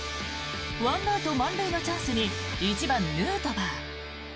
１アウト満塁のチャンスに１番、ヌートバー。